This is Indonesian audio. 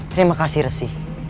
terima kasih ruzi